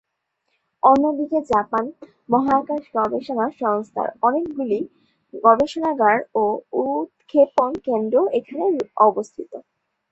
অন্যদিকে জাপান মহাকাশ গবেষণা সংস্থার অনেকগুলি গবেষণাগার ও উৎক্ষেপণ কেন্দ্রও এখানে অবস্থিত।